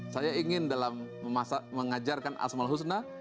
saya ingin dalam mengajarkan asmal husna